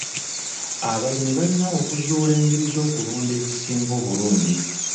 Abalimi balina okuzuula engeri z'okulunda ezisinga obulungi.